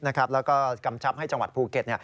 แล้วก็กำชับให้จังหวัดภูเก็ต